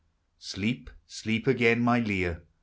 Sleep, sleep again, my Lyre !